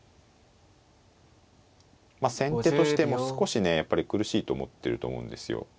まあ先手としても少しねやっぱり苦しいと思ってると思うんですよ。